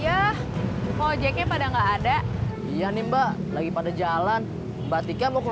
ya ojeknya pada nggak ada iya nih mbak lagi pada jalan batiknya mau ke